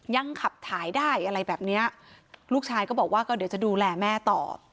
ยังขับถ่ายได้อะไรแบบเนี้ยลูกชายก็บอกว่าก็เดี๋ยวจะดูแลแม่ต่อ